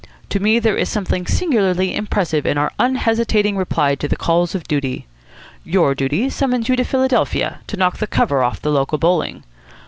To me there is something singularly impressive in our unhesitating reply to the calls of Duty. Your Duty summons you to Philadelphia, to knock the cover off the local bowling.